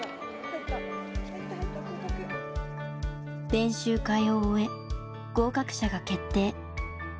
練習会を終え合格者が決定。